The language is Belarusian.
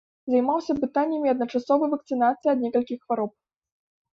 Займаўся пытаннямі адначасовай вакцынацыі ад некалькіх хвароб.